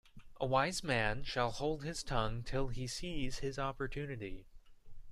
A wise man shall hold his tongue till he sees his opportunity.